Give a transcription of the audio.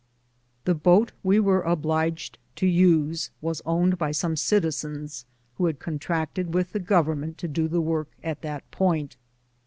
The boat we were obliged to use was owned by some citizens who had contracted with the Government to do the work at that point.